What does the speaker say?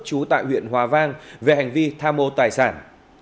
trú tại huyện hòa vang về hành vi tham mô tài sản